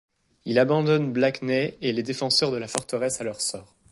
Il abandonne Blakeney et les défenseurs de la forteresse à leur sort.